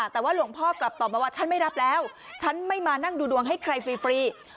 แต่ว่าหลวงพ่อกลับตอบมาว่าฉันไม่รับแล้วฉันไม่มานั่งดูดวงให้ใครฟรี